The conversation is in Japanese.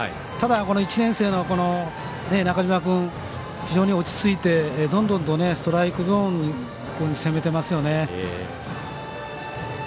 ただ、１年生の中嶋君は落ち着いてどんどんとストライクゾーンに攻めていきますね。